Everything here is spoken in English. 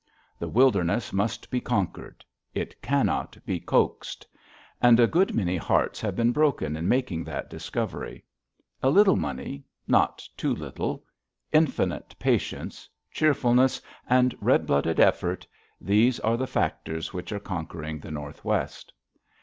The wilderness must be conquered. It cannot be coaxed. And a good many hearts have been broken in making that discovery. A little money not too little infinite patience, cheerfulness, and red blooded effort these are the factors which are conquering the Northwest.